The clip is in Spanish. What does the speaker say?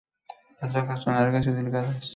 Las hojas son largas y delgadas.